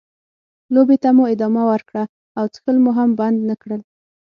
لوبې ته مو ادامه ورکړه او څښل مو هم بند نه کړل.